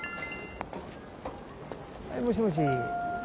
はいもしもし。